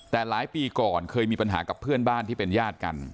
แต่หลายปีก่อนเคยมีปัญหากับเพื่อนบ้านที่เป็นญาติกัน